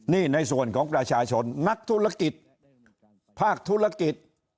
นี่ในส่วนของประชาชนนักธุรกิจภาคธุรกิจ